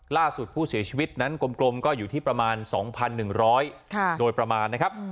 ล่าสุดผู้เสียชีวิตนั้นกลมก็อยู่ที่ประมาณ๒๑๐๐โดยประมาณนะครับ